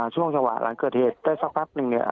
ช่วงชาวะหลังเกิดเหตุได้สักพัทย์นึง